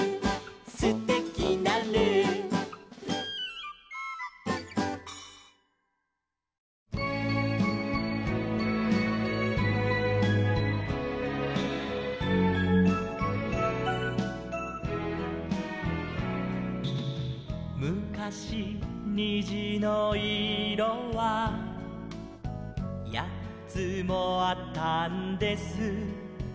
「すてきなルー」「むかしにじのいろはやっつもあったんです」